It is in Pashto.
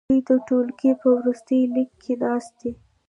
دوی د ټوولګي په وروستي لیکه کې ناست دي.